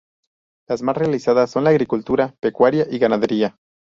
Las más realizadas son la agricultura, pecuaria, y ganadera.